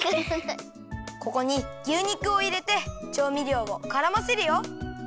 ここに牛肉をいれてちょうみりょうをからませるよ。